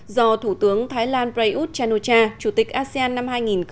do thủ tướng thái lan prayuth chanucha chủ tịch asean năm hai nghìn một mươi chín